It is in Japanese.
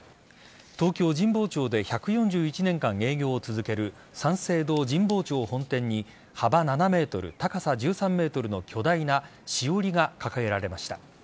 東京・神保町で１４１年間営業を続ける三省堂神保町本店に幅７ｍ、高さ１３ｍの巨大なしおりが掲げられました。